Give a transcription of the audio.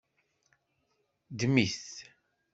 Ddem-it!